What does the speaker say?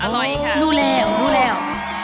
อร่อยค่ะนูแลว